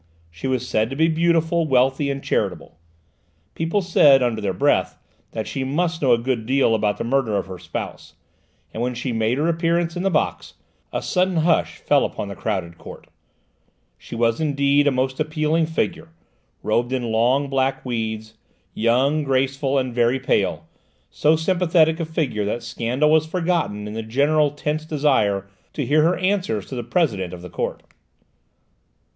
She was said to be beautiful, wealthy and charitable; people said, under their breath, that she must know a good deal about the murder of her spouse, and when she made her appearance in the box a sudden hush fell upon the crowded court. She was, indeed, a most appealing figure, robed in long black weeds, young, graceful, and very pale, so sympathetic a figure that scandal was forgotten in the general tense desire to hear her answers to the President of the Court.